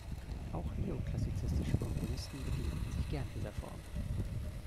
Auch neoklassizistische Komponisten bedienten sich gern dieser Form.